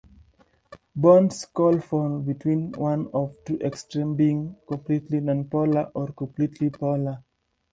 Bonds can fall between one of two extremesbeing completely nonpolar or completely polar.